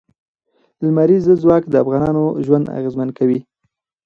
لمریز ځواک د افغانانو ژوند اغېزمن کوي.